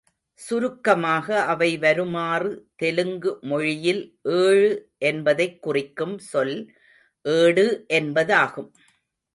சுருக்கமாக அவை வருமாறு தெலுங்கு மொழியில் ஏழு என்பதைக் குறிக்கும் சொல் ஏடு என்பதாகும்.